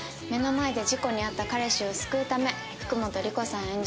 目の前で事故に遭った彼氏を救うため福本莉子さん